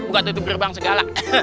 buka tutup gerbang segala